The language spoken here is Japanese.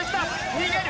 逃げる！